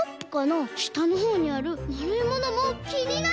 したのほうにあるまるいものもきになる！